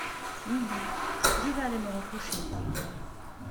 Midi… je vais aller me recoucher.